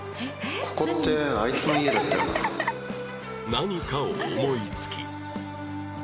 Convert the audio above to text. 何かを思いつき